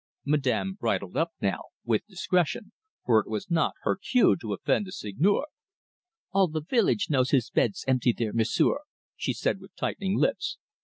Madame bridled up now with discretion, for it was not her cue to offend the Seigneur. "All the village knows his bed's empty there, M'sieu'," she said, with tightening lips.